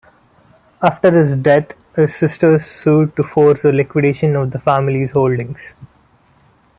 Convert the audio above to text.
After his death, his sisters sued to force a liquidation of the family's holdings.